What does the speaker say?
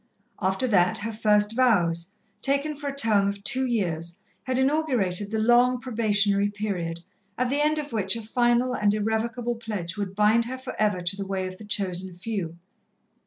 After that, her first vows, taken for a term of two years, had inaugurated the long probationary period at the end of which a final and irrevocable pledge would bind her for ever to the way of the chosen few.